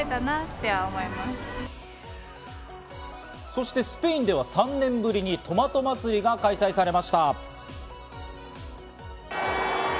そしてスペインでは３年ぶりにトマト祭りが開催されました。